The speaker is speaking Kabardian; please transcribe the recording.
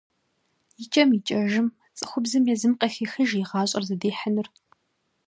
Икӏэм-икӏэжым цӏыхубзым езым къыхехыж и гъащӏэр зыдихьынур.